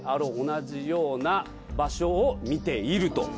同じような場所をみている」と。